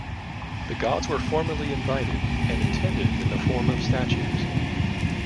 The gods were formally invited, and attended in the form of statues.